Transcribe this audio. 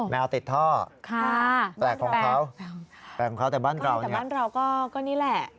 แมวติดท่อค่ะแปลกของเขาแปลกของเขาแต่บ้านเราแต่บ้านเราก็นี่แหละ